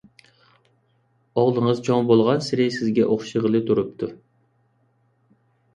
ئوغلىڭىز چوڭ بولغانسېرى سىزگە ئوخشىغىلى تۇرۇپتۇ.